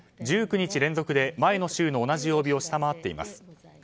１９日連続で前の週の同じ曜日を下回っています。